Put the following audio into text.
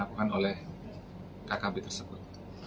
lakukan oleh kkp tersebut